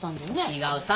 違うさ！